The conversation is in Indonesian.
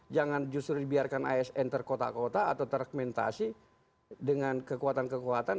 jangan justru dibiarkan asn terkota kota atau terargumentasi dengan kekuatan kekuatan